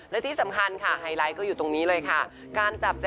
และที่สำคัญค่ะไฮไลท์ก็อยู่ตรงนี้เลยค่ะ